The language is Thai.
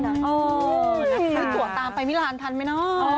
อ๋อนักศึกตัวตามไปไม่ล้านทันมั้ยน้อย